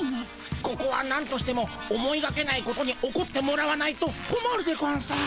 ここはなんとしても思いがけないことに起こってもらわないとこまるでゴンス。